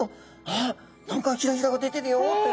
あっ何かひらひらが出てるよって。